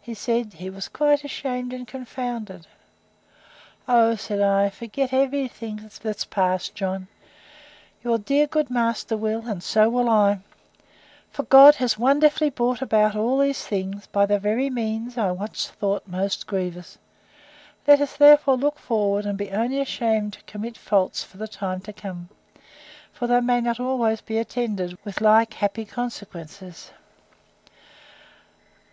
He said, he was quite ashamed and confounded. O, said I, forget every thing that's past, John!—Your dear good master will, and so will I. For God has wonderfully brought about all these things, by the very means I once thought most grievous. Let us, therefore, look forward, and be only ashamed to commit faults for the time to come: for they may not always be attended with like happy consequences.